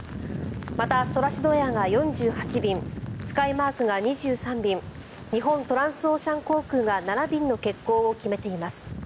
また、ソラシドエアが４８便スカイマークが２３便日本トランスオーシャン航空が７便の欠航を決めています。